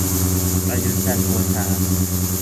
ประยุทธ์ จันทร์โอชา